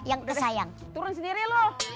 yang kesayang turun sendiri lu